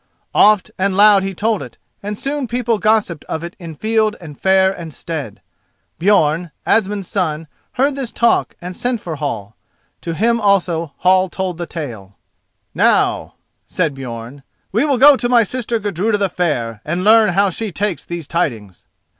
Oft and loud he told it, and soon people gossiped of it in field and fair and stead. Björn, Asmund's son, heard this talk and sent for Hall. To him also Hall told the tale. "Now," said Björn, "we will go to my sister Gudruda the Fair, and learn how she takes these tidings."